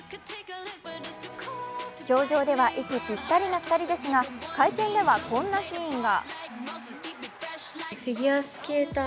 氷上では息ぴったりな２人ですが、会見ではこんなシーンが。